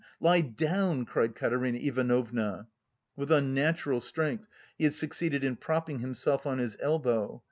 Lie do own!" cried Katerina Ivanovna. With unnatural strength he had succeeded in propping himself on his elbow.